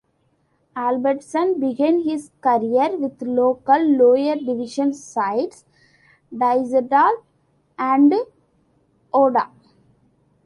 Albertsen began his career with local lower-division sides Tyssedal and Odda.